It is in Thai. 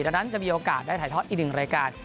ดังนั้นจะมีโอกาสได้ถ่ายทอดอีกหนึ่งรายการ